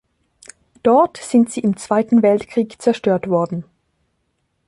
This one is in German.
Dort sind sie im Zweiten Weltkrieg zerstört worden.